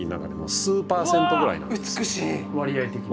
割合的に？